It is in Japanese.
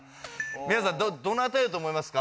皆さんどなたやと思いますか？